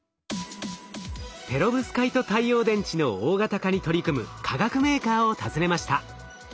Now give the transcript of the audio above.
ペロブスカイト太陽電池の大型化に取り組む化学メーカーを訪ねました。